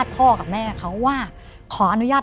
เพราะฉะนั้น